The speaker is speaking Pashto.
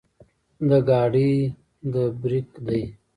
د ګاډي د برېک دے